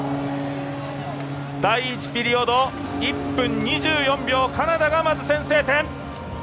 第１ピリオド１分２４秒、カナダがまず先制点。